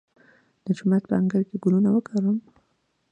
د جومات په انګړ کې ګلونه وکرم؟